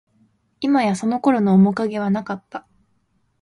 いまや、その頃の面影はなかった